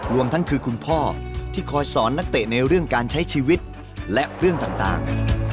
รวมทั้งคือคุณพ่อที่คอยสอนนักเตะในเรื่องการใช้ชีวิตและเรื่องต่าง